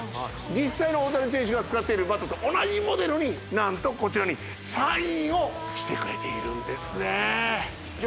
実際の大谷選手が使っているバットと同じモデルに何とこちらにサインをしてくれているんですねじゃ